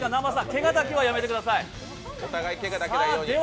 けがだけは気をつけてください。